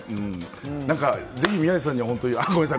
ぜひ宮司さんには。ごめんなさい。